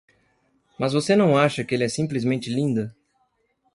Mas você não acha que ele é simplesmente lindo?